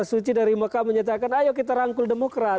suci dari mekah menyatakan ayo kita rangkul demokrat